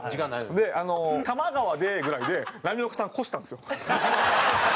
「多摩川で」ぐらいで波岡さんを越したんですよ。